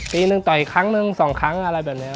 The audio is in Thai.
ปีหนึ่งต่อยครั้งหนึ่งสองครั้งอะไรแบบนี้